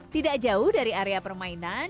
tidak jauh dari area permainan